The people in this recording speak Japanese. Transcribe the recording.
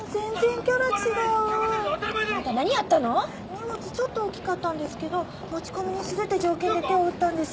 荷物ちょっと大きかったんですけど持ち込みにするって条件で手を打ったんです。